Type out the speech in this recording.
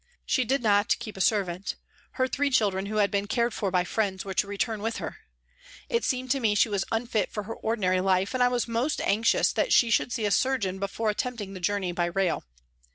She did not keep a servant ; her three children who had been cared for by friends were to return with her. It seemed to me she was unfit for her ordinary life and I was most anxious that she should see a surgeon before attempting the journey by rail.